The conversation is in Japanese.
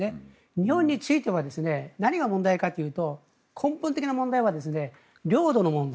日本については何が問題かというと根本的な問題は領土の問題。